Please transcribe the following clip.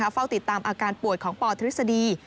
เฝ้าติดตามอาการป่วยของปธฤษฎี